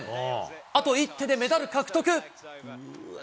あと一手でメダル獲得。